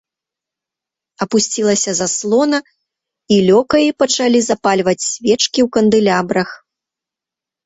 Апусцілася заслона, і лёкаі пачалі запальваць свечкі ў кандэлябрах.